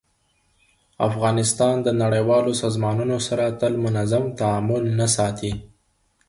افغانستان له نړیوالو سازمانونو سره تل منظم تعامل نه ساتي.